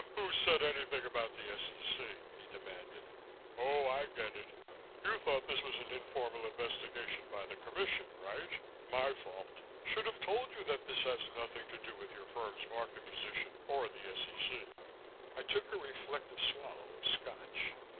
"Who said anything about the S.E.C.?" he demanded. "Oh, I get it. You thought this was an informal investigation by the Commission. Right? My fault. Should have told you that this has nothing to do with your firm's market position or the S.E.C." I took a reflective swallow of Scotch.